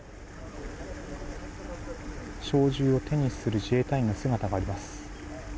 小銃を手にする自衛隊員の姿があります。